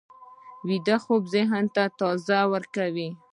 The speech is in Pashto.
ویده خوب ذهن تازه کوي